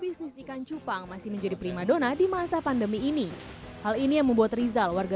bisnis ikan cupang masih menjadi prima dona di masa pandemi ini hal ini yang membuat rizal warga